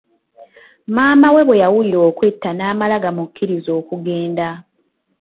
Maama we bweyawulira okwetta n’amala gamukkiriza okugenda.